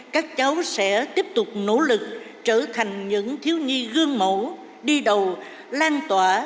các cháu sẽ tiếp tục nỗ lực trở thành những thiếu nhi gương mẫu đi đầu lan tỏa